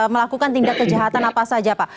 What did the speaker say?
melakukan tindak kejahatan apa saja pak